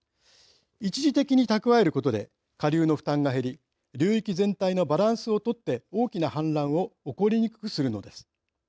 一時的に蓄えることで下流の負担が減り流域全体のバランスをとって大きな氾濫を起こりにくくするのです。